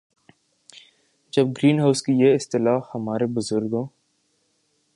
جب greenhouse کی یہ اصطلاح ہمارے بزرگوں